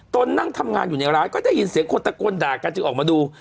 นั่งทำงานอยู่ในร้านก็ได้ยินเสียงคนตะโกนด่ากันจึงออกมาดู